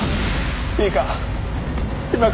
いいか？